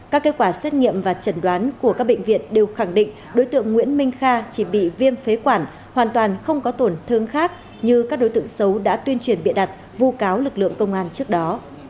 các kết quả xét nghiệm và chẩn đoán của các bệnh viện đều khẳng định đối tượng nguyễn minh kha chỉ bị viêm phế quản hoàn toàn không có tổn thương khác như các đối tượng xấu đã tuyên truyền bịa đặt vu cáo lực lượng công an trước đó